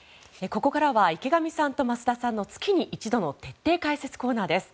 ここからは池上さんと増田さんの月に一度の徹底解説コーナーです。